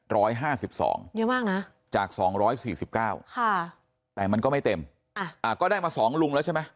ร้อยห้าสิบสองเยอะมากนะจากสองร้อยสี่สิบเก้าค่ะแต่มันก็ไม่เต็มอ่าก็ได้มาสองลุงแล้วใช่ไหม